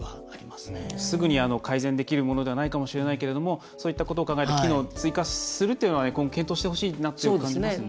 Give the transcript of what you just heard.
すぐに改善できるものではないかもしれないけどそういったことを考えて機能を追加するということは検討してほしいなと感じますよね。